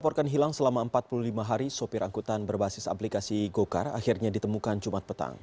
laporkan hilang selama empat puluh lima hari sopir angkutan berbasis aplikasi gokar akhirnya ditemukan jumat petang